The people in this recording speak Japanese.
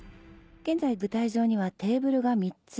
現在舞台上にはテーブルが３つ。